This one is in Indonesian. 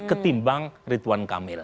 ketimbang ridwan kamil